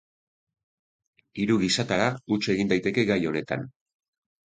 Hiru gisatara huts egin daiteke gai honetan.